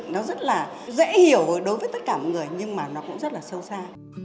nó rất là dễ hiểu đối với tất cả mọi người nhưng mà nó cũng rất là sâu xa